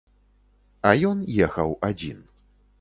А ён ехаў адзін.